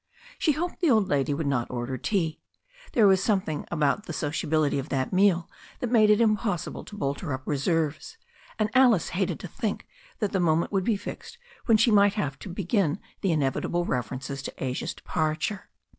She hoped the old lady would not order tea. There was something about the sociability of that meal that made it impossible to bolster up reserves, and Alice hated to think that the moment would be fixed when she might have to be^ gin the inevitable references to Asia's departure.